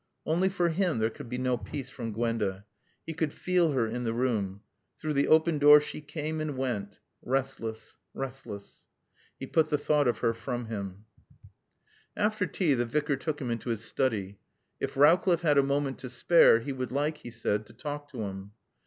Only for him there could be no peace from Gwenda. He could feel her in the room. Through the open door she came and went restless, restless! He put the thought of her from him. After tea the Vicar took him into his study. If Rowcliffe had a moment to spare, he would like, he said, to talk to him.